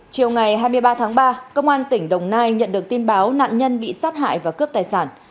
chiều ngày hai mươi ba tháng ba công an tỉnh đồng nai nhận được tin báo nạn nhân bị sát hại và cướp tài sản